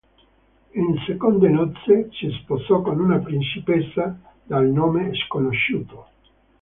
In seconde nozze si sposò con una principessa dal nome sconosciuto.